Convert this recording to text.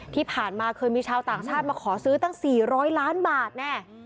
ที่ผ่านมาเคยมีชาวต่างชาติมาขอซื้อตั้ง๔๐๐ล้านบาทแน่